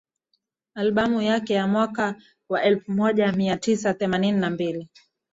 Albamu yake ya mwaka wa elfu moja mia tisa themanini na mbili